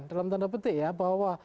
dalam tanda petik ya bahwa